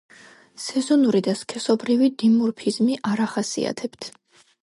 სეზონური და სქესობრივი დიმორფიზმი არ ახასიათებთ.